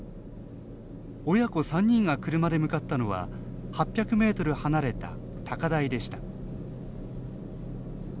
親子３人が車で向かったのは８００メートル離れた高台でした。